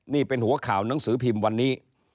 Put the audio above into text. นี่เป็นหัวข่าวหนังสือพิมพ์วันนี้